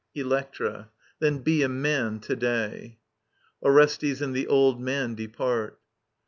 Electra. Then be a man to day I [Orestes and the Old Man depart.